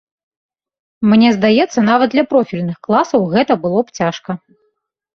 Мне здаецца, нават для профільных класаў гэта было б цяжка.